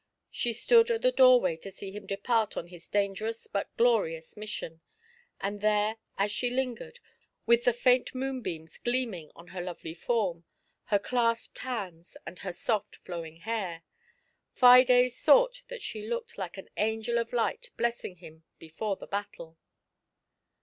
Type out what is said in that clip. She stood at the doorway to see him depart on his dangerous but glorious mission ; and there, as she lingered, with the faint moonbeams gleam ing on her lovely form, her clasped hands, and her soft flowing hair, Fides thought that she looked like an angel of light blessing him before the battle.